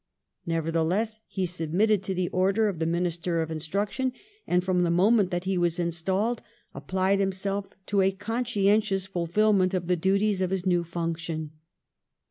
Nevertheless, he submitted to the order 38 PASTEUR of the Minister of Instruction and, from the moment that he was installed, applied hiniself to a conscientious fulfilment of the duties of his new function.